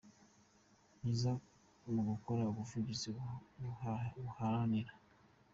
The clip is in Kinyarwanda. myiza mu gukora ubuvugizi buharanira.